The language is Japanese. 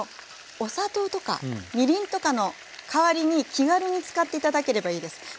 お砂糖とかみりんとかのかわりに気軽に使って頂ければいいです。